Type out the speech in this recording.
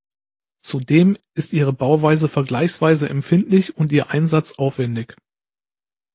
Zudem ist ihre Bauweise vergleichsweise empfindlich und ihr Einsatz aufwendig.